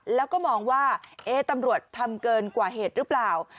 แล้วก็มองว่าตำรวจทำเกินกว่าเหตุหรือเปล่า